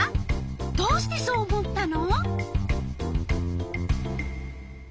どうしてそう思ったの？